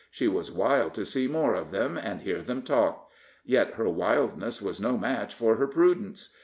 She was wild to see more of them, and hear them talk; yet, her wildness was no match for her prudence.